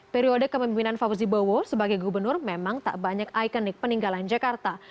periode kemimpinan fauzi bowo sebagai gubernur memang tak banyak ikonik peninggalan jakarta